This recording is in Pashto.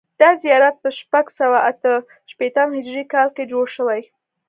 دا زیارت په شپږ سوه اته شپېتم هجري کال کې جوړ شوی.